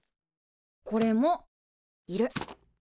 これもいる。